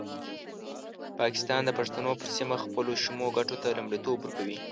پاکستان د پښتنو پر سیمه خپلو شومو ګټو ته لومړیتوب ورکوي.